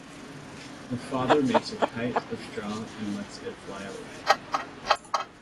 The father makes a kite of straw and lets it fly away.